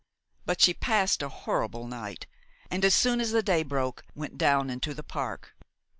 But she passed a horrible night, and, as soon as the day broke, went down into the park.